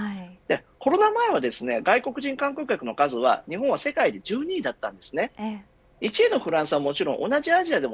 コロナ前は、外国人観光客の数は日本は世界で１２位でした。